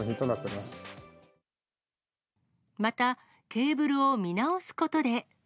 また、ケーブルを見直すことで。